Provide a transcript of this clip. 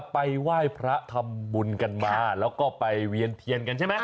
ไปไหว้พระทำบุญกันมาแล้วก็ไปเวียนเทียนกันใช่ไหม